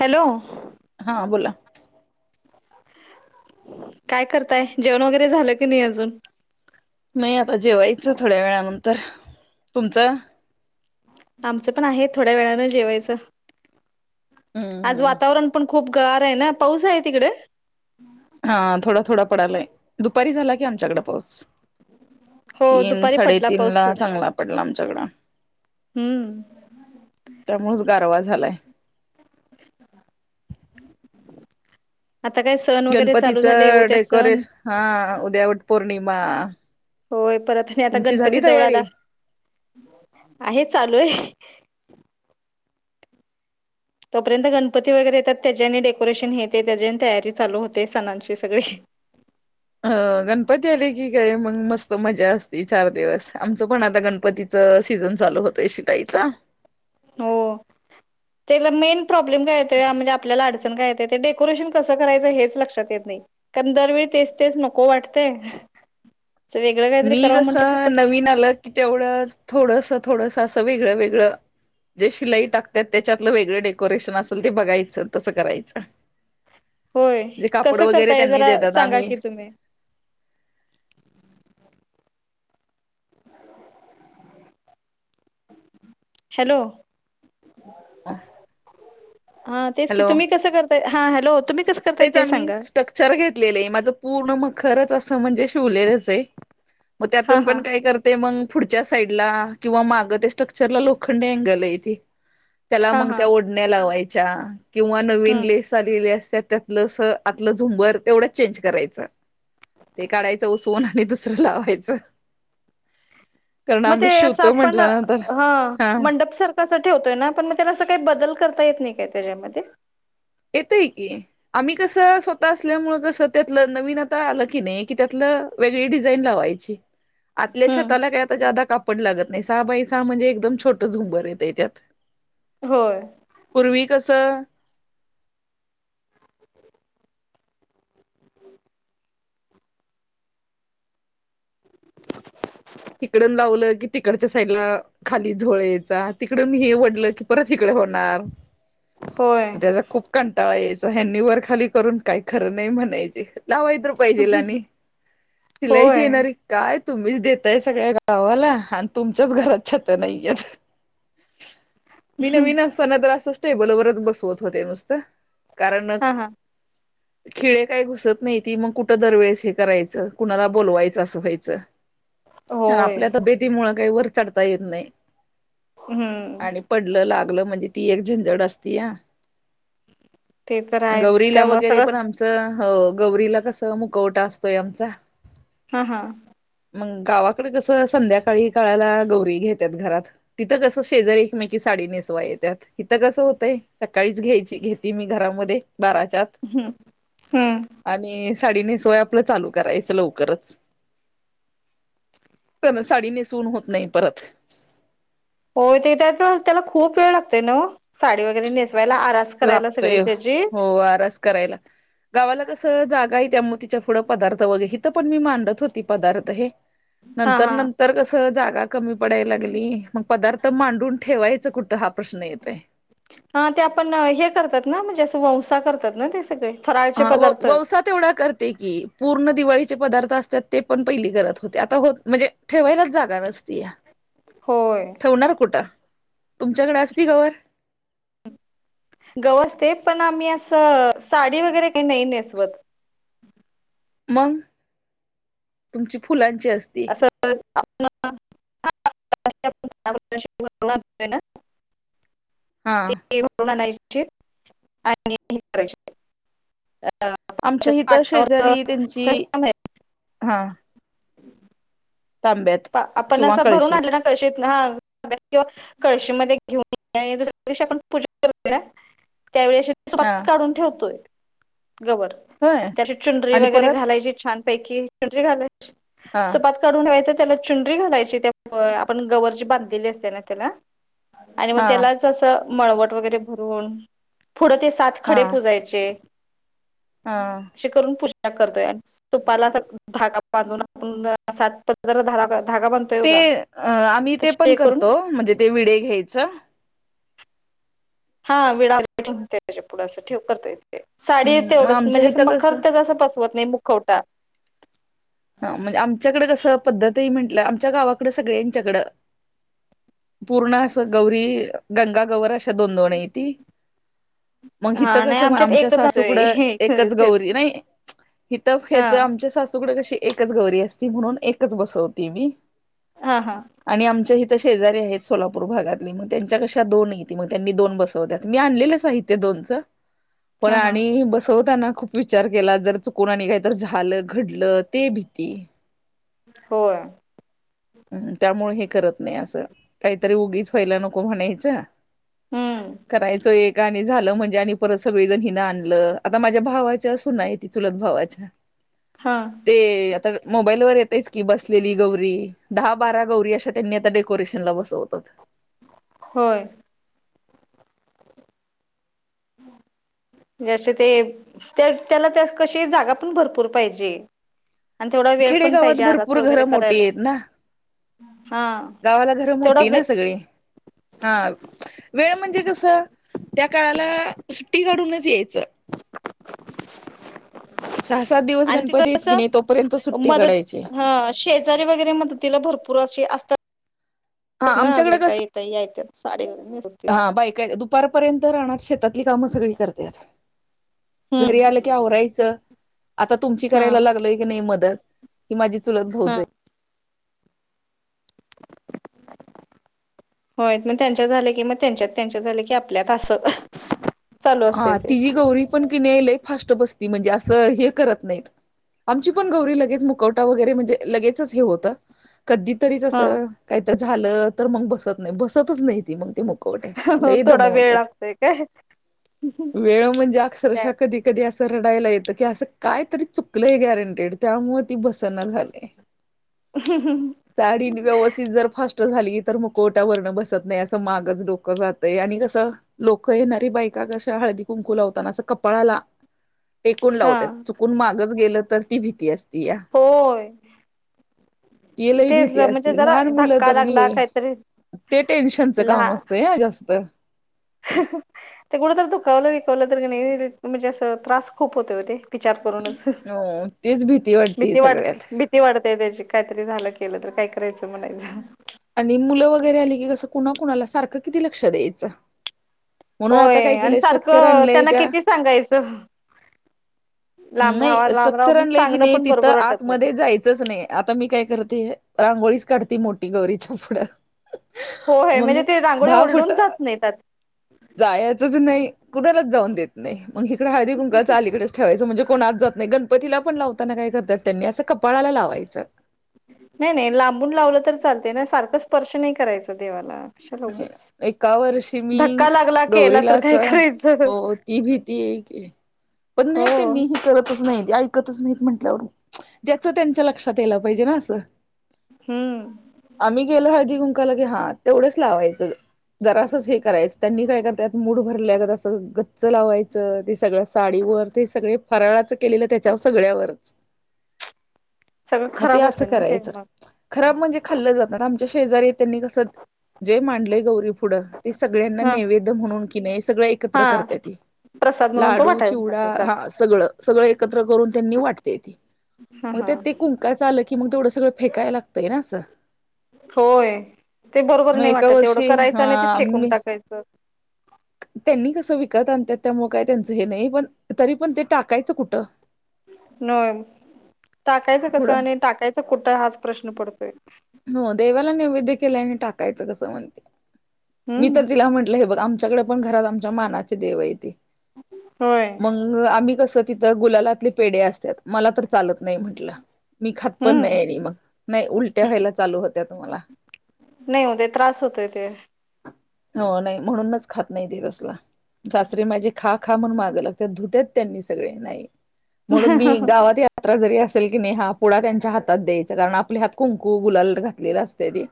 Hello. हा बोला. काय करताय जेवण वगैरे झालं की नाय अजून? नाय आता जेवायचं थोड्या वेळानंतर तुमचं? आमचं पण आहे थोड्या वेळान जेवायचं. हम्म आज हम्म. वातावरण पण खूप गार आहे ना, पाऊस हाय तिकड? हा थोडा थोडा पडालाय दुपारी झाला की आमच्याकड पाऊस. हो तीन दुपारी पडला साडेतीनला पाऊस थोडा चांगला पडला आमच्याकडं हम्म त्यामुळच गारवा झालाय. आता काय सण वगैरे चालू झाले गणपतीचं उद्या सण डेकोरेश हा उद्या वट पौर्णिमा. होय परत आणि आता तुमची झाली गणपती तयारी जवळला आहे चालूय. तोपर्यंत गणपती वगैरे येतात त्याज्या हेंने डेकोरेशन हे ते त्याज्या हेने तयारी चालू होते सणांची सगळी. अ- गणपती आले की काय मग मस्त मजा असते चार दिवस आमचं पण आता गणपती सीझन चालू होतय शिकायचा. हो त्येला मेन प्रॉब्लेम काय येतय म्हणजे आपल्याला अडचण काय येतय ते डे कोरेशन कसं करायचं हेच लक्षात येत नाय कारण दरवेळ तेच तेच नको वाटतय. मी की जसं पट नवीन आलं की तेवढंच थोडस थोडस असं वेगळं वेगळं. जे शिलाई टाकत्यात त्याच्यातलं वेगळं डेकोरेशन असेल ते बघायचं तसं करायचं. होय जे कापड कसं वगैरे करताय त्यांनी जरा देतात सांगा आम्ही की तुम्ही हॅलो. [inaudible] हा तेच क हॅलो तुम्हीसं करताय हा हॅलो तुम्ही कसं करताय तेच ते आम्ही सांगा स्ट्रक्चर घेतलेलंय माझं पूर्ण म खरच असं म्हणजे शिवलेलंचये. म हा त्यातून हा पण काय कर ते मग पुढच्या साईड ला किंवा मागं त्या स्ट्रक्चर ला लोखंड अँगलाय ते. त्याला हा मग हा त्या ओढण्या लावायच्या किंवा नवीन हम्म लेस आलेली असत्यात त्यातलं अस अतल झुंबर तेवढंच चेंज करायचं. ते काढायचं उसवून आणि दुसरं लावायचं. कारण म ते आम्ही असं शिवतो आपण म्हटल्यानंतर ह हा मंडप सारख ठेवतोय ना पण मग त्याला अस काय बदल करता येत नाय काय त्याच्यामध्ये? येतंय की. आम्ही कसं स्वतः असल्यामुळे कस त्यातलं नवीन आता आलं की नाई की त्यातलं वेगळी डिझाईन लावायची. आतल्या हम्म छताला काय आता ज्यादा काप ड- लागत नाय सहा बाय सहा म्हणजे एकदम छोटं झुंबर येतंय त्यात. होय. पूर्वी कसं [inaudible] [inaudible] हिकडन लावलं की तिकडच्या साईडला खाली झोळचा तिकडून हे वडलं की परत हिकडं होणार. होय त्येजा खूप कंटाळा यायचा ह्यांनी वर खाली करून काय खरं नाय म्हणायचे लावा पाहिजेल आणि शिलाईची होय येणारी काय तुम्हीच देत तय सगळ्या गावाला अण तुमच्याच घरात छतं नाहीयेत. मी नवीन असताना तर असं स्टेबलवरच बसवत होते नुसतं, कारण हा हा [inaudible] खिळे काय घुसत नाही ती मग कुठ दरवेळेस हे करायचं कुणाला बोलवायचं असं व्हायचं. होय आपल्या तब्येतीमुळं काय वर चढता येत नाही. हम्म. आणि पडलं लागलं म्हणजे ती एक झीझड असत्या. ते तर आहेच गौरीला त्यामुळे वगैरे सगळं पण आमच त हो गौरीला कसं मुकवटा असतोय आमचा. हा हा. मग गावाकड कसं संध्याकाळी काळाला गौरी घेतात घरात. तिथं कसं शेजारी एकमेकी साडी नेसवाय येत्यात, इथं कसं होतंय सकाळीच घ्यायची घेते मी घरामध्ये. बाराच्या आत. हम्म. हम्म आणि साडी नेसवाय आपलं चालू करायचं लवकरच. [inaudible] तेन साडी नेसवून होत नाही परत. हो ते त्यात त्याला खूप वेळ लागतय ना ओ, साडी वगैरे नेसवायला आरास करायला सगळी लागतोय, त्याची हो आरास करायला. गावाला कसं जागा आहे त्यामुळ तिच्या पुढं पदार्थ वगैर हिथं पण मी मांडत होती पदार्थ हे. हा नंतर हा नं तर कसं जागा कमी पडाय लागली मग पदार्थ मांडून ठेवायचं कुठं हा प्रश्न येतय. हा ते आपण हे करतात ना म्हणजे असं वंसा करतात ना ते सगळे. फराळचे हा व - पदार्थ ववसात तेवढा करते की पूर्ण दिवाळीचे पदार्थ असतात ते पण पहिली करत होते आता होत म्हणजे ठेवायलाच जागा नसतीया. होय. ठेवणार कुठं, तुमच्याकडे असती गवर? गव असते पण आम्ही असं साडी वगैरे काही नाही नेसवत. मग, तुमची फुलांची असते. तर आप [unintelligible] हा ते भरून आणायची, आणि हे करायची. आमच्या इथं शेजारी [unintelligible] त्यांची हा. तांब्यात. पा आपण किंवा असं भरून कळशीत आनल्या न कळशीत हा, ताब्यांत किंवा कळशीमध्ये घेऊन [unintelligible] दुसऱ्या दिवशी आपण पूजा कर [unintelligible] त्यावेळे अशे हा. भरून ठेवतोय, गवर, होय ते अशी चुनरी आणि वगैरे परत घालायची छान पैकी चुनरी घालयची, हा सुपात काढून ठेवायचं. त्याला चुनरी घालायची त्या [unintelligible] आपण गवरची बांधलेली असत्या ना त्याला, आणि म हा त्यालाच तस मळवट वगैरे भरून, पुढं ते सात हा खडे पुजायचे. हा अशी करून पूजा करतोय आम्ही, सुपाला धागा बांधून आपूण सात जरा धरा ग धगा ब ते आम्ही ते पण करतो. म्हणजे ते विडे घ्यायचं. हा. विडा वगैरे ठेवतात. त्या पुढं अस ठेवता येत. साडी मग तेवढंच. आमच्या म्हणजे असं इथं मखर कसं तर असं पसरवत नाही मुखवटा- हा. म्हणजे आमच्याकडें कसं पद्धत आहे म्हंटलं. आमच्या गावाकडें सगळ्यांच्याकडं- पूर्ण असं गौरी गंगा गवर अशा दोन दोन आहे ती. मग हित हा नाही कसं म आमच्यात आमच्या एकच सासूकडं एकच आणतोय गौरी. नाही हित हा हेच आ- -च्या सासूकडे कशी एकच गौरी असती. म्हणून एकच बसवती मी. हा हा. आणि आमच्या इथं शेजारी आहेत सोलापूर भागातले. मग त्यांच्या कशा दोन हायती. मग त्यांनी दोन बसवल्या. मी आणलेलं साहित्य दोनच. पण हा हा आणि बसवताना खूप विचार केला. जर चुकून आणि काहीतरी झालं घडलं- ते भीती. होय. हम्. त्यामुळे हे करत नाही असं. काहीतरी उगीच व्हायला नको म्हणायचं. हम्म. करायचं एक आणि झालं म्हणजे आणि परत सगळेजण, हिनं आणलं. आता माझ्या भावाच्या सुना हायती चुलत भावाच्या. [unintelligible] हां. ते आता मोबाईल वर येतयच की बसलेली गौरी. दहा बारा गौरी अशा त्यांनी आता डेकोरेशनला बसवतात. होय. ह [unintelligible] ते त्याला त्या कशी जागा पण भरपूर पाहिजे. आणि तेवढा वेळ पण खेडेगावात पाहिजे आरास भरपूर घरं वगैरे मोठी करायला आहेत ना? हा गावाला घरं तेवढा मोठी वे ना सगळी? हा. वेळ म्हणजे कस? त्या काळाला सुट्टी काढूनच यायचं. [unintelligible] सहा सात दिवस आणि ते गणपतीएत की कसं नाही? तोपर्यंत सुट्टी मदत काढायची. ह शेजारी वगैरे मदतीला भरपूर असे असतात हा ना? आमच्याकडे [unintelligible] काही. ताई आहे त [unintelligible] बाई काय? दुपारपर्यंत रानात, शेतातली काम सर्वी करत्यात. घरी हम्म आल- की आवरायचं. आता तुमची हा करायला लागलीय की नाही मदत? ही माझी चुलत हा भावजय. ह होय. मग त्यांच्या झालं की मग त्यांच्यात. त्यांच्या झाले की आपल्यात असं. चालू असते हा. ते तिची गौरी पण कि नाही? लय फास्ट बसती म्हणजे असं हे करत नाहीत. आमची पण गौरी लगेच मुकवटा वगैरे म्हणजे लगेचच हे होतं. कधी तरीच हा असं- काही तर झालं तर मग बसत नाही. बसतच नाही ते मग ते मुखवटे. लई दमवत्यात. होय काय? वेळ म्हणजे त्या अक्षरशः कधी- कधी असं रडायला येतं की असं काय तरी चुकलंय गॅरंटेड त्यामुळे ती बसना झालय. [unintelligible] ह ह साडी व्यवस्थित जर फास्ट झाली तर मुखवटा वरन बसत नाही. असं मागच डोकं जातय आणि कसं- लोक, येणारी बायका कशा? हळदी कुंकू लावताना असं कपाळाला टेकून हा लावतात चू - -कून मागच गेलं तर? ती भीती असतीया. होय ते लय भीती म्हणजे असती जरा लहान मुलं धक्का तर लागला लयच काहीतरी ते टेन्शनचं काम लहान असतंय जास्त. ते कुढं जर दुखवलं विकवलं तर कनय लय म्हणजे अस त्रास खूप होतेय व ते. विचार करूनच हं हो तीच वाटते भीती वाढते सगळ्यात भीती. ती वाढतय त्याची काहीतरी झालं केलं तर काय करायचं म्हणायचं. आणि मुलं वगैरे आली की कसं कुणा कुणाला सारखं किती लक्ष द्यायचं. म्हणून आता होय काय आणि केलंय स्ट्रक्चर सारखं आणलंय त्यांना त्या. किती सांगायचं लांब राहावा नाही लांब राहावा स्ट्रक्चर म्हणून आणलंय की सांगणं नाही पण तिथं बरोबर वाटत नाही आतमध्ये जायचंच नाहीय. आता मी काय करते रांगोळीच काढते मोठी गौरीच्या पुढ. होय हाय म्हणजे ते रांगोळी ओरडून जात नाहीत आत. जायचच नाही. कुणालाच जाऊन देत नाही मग इकडे हळदी कुंकाच अलीकडेच ठेवायचं म्हणजे कोणाच जात नाही गण ''--'' प तीला पण लावताना काय करतात त्यांनी असं कपाळाला लावायचं. नाही नाही लांबून लावलं तर चालते ना सारखं स्पर्श नाही करायचं देवाला. कशाल उगाच एका वर्षी मी धक्का लागला केला गौरीला तर काय असं करायचं. हो ती भीती हाय की. हो ज्याच त्यांच्या लक्षात याला पाहिजे ना असं. हम्म आम्ही गेलो हळदी कुंकाला की हा तेवढंच लावायचं. जरासच हे करायचं त्यांनी काय करतत मूड भरल्यागत तसं गच्च लावायचं ते सगळं साडीवर. ते सगळे फराळाचं केलेलं त्याच्यावर सगळ्यावरच. सगळं मग ते खराब असं होते ना ते करायचं. मग खराब म्हणजे खाल्लं जातात आमच्या शेजारी त्यांनी कसं जे मांडलंय गौरी पुढं. ते सगळ्यांना ह नैवेद म्हणून की नाही सगळं एकत्र हा करत्या ती. प्रसाद म्हणून तो लाडू वाटायला चिवडा टाकायचा हा सगळं सगळं एकत्र करून त्यांनी वाट त्याती. ह मग हा त्यात ते कुंकाच आलं की मग तेवढं सगळं फेकायला लागतंय ना असं. होय ते बरोबर मग नाही एका वाटत एवढं वर्षी करायचं हा आणि ते आम्ही फेकून टाकायचं. त्यांनी कसं विकत आणतात त्यामुळ काय त्यांचं हे नाही पण तरी पण ते टाकायचं कुठं. नय टाकायचं कसं पुढं आणि टाकायचं कुठं हाच प्रश्न पडतोय. हो देवाला नैवेद्य केल्या आणि टाकायचं कसं म्हणते मी हम्म तर तिला म्हंटलं हे बघ आमच. सगळे पण घरात आमच्या मानाचे देव हाय ती. होय. आम्ही कसं तिथं गुलालातले पेढ असतात मला तर चालत''--'' नाही म्हंटलं मी खातपण नाही हम्म आहे मग नाही उल''--'' उलट्या व्हायला चालू होत्या मला. नाही हो ते त्रास होतोय ते हो नाही म्हणूनच खात नाही तेे तसला. सासरी माझे खा खा म्हणून माग लाग त्या धुत्यात त्यांनी सगळे नाही. म्हणून मी गावात यात्रा जरी असेल की नाही हा पुढ त्यांच्या हातात द्यायच कारण आपली हात. कुंकू गुलाल घातलेला असते ते.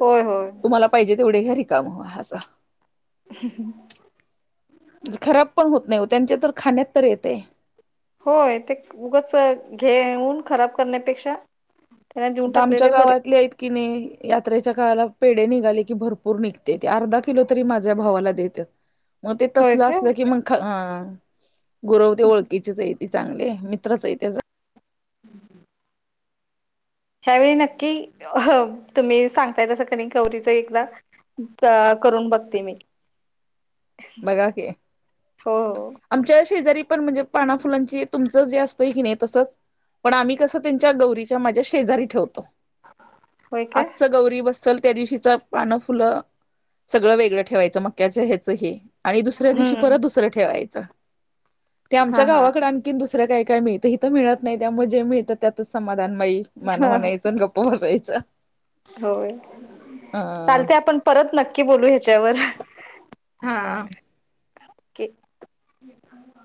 होय होय. तुम्हाला पाहिजे तेवढे घरी काम हो असं. ह [inaudible] खराब पण होत नाही त्यांच्या तर खाण्यात तर येते. होय ते उगच घेऊन खराब करण्यापेक्षा. त्यांना देऊन आता आमच्या टाकलेले बरे गावातले हाईत. की नाही यात्रेच्या काळाला पेढ निघाले की भरपूर निघत्या ती अर्धा किलो तरी माझ्या भावाला देते. म ते होय तसलं काय असलं की मंग ख हं गुरव ते ओळखीचेच हाईत ते चांगलेये मित्रचय त्याज [unintelligible] ह्यावेळी नक्की हो तुम्ही सांगताय तसं करीन गौरीच एकदा त अ करून बघते मी बघा की हो, हो. आमच्या शेजारी पण म्हणजे पाना फुलांची तुमचं जे असतं की नय तसंच पण आम्ही कसं त्यांच्या गौरीच्या माझ्या शेजारी ठेवतो होय काय? आजचं गौरी बसल त्या दिवशीच पानं फुलं सगळं वेगळं ठेवायचं मक्याच्या ह्याचं हे आणि दुसऱ्या दिवशी हम्म. परत दुसरं ठेवायचं. ते आमच्या हां, हां. गावाकड आणखी दुसरं काय काय मिळतं हीत मिळत नाही त्यामुळे जे मिळतं त्यातच समाधान माई मान म्हणायचं अनं गप्प बसायचं. होय अ चालतय आपण परत नक्की बोलू ह्याच्यावर हा के